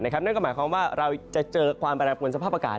นั่นก็หมายความว่าเราจะเจอความแปรปวนสภาพอากาศ